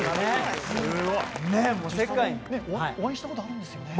お会いしたことあるんですよね。